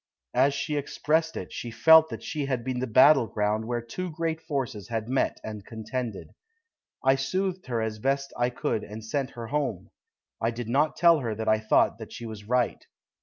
As she expressed it, she felt that she had been the battle ground where two great forces had met and contended. I soothed her as best I could and sent her home. I did not tell her that I thought that she was right.